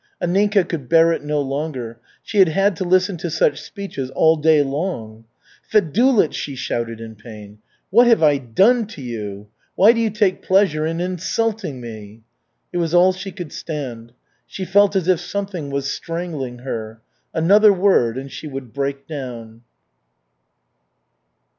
Anninka could bear it no longer. She had had to listen to such speeches all day long. "Fedulych!" she shouted in pain. "What have I done to you? Why do you take pleasure in insulting me?" It was all she could stand. She felt as if something was strangling her. Another word and she would break down.